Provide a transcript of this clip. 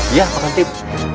iya pak hamid